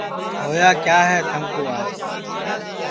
ہویا کیا ہے تھمکُو آج